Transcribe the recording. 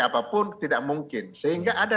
apapun tidak mungkin sehingga ada